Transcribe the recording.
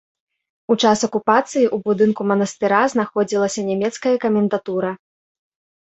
У час акупацыі ў будынку манастыра знаходзілася нямецкая камендатура.